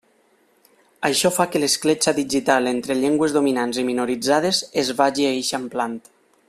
Això fa que l'escletxa digital entre llengües dominants i minoritzades es vagi eixamplant.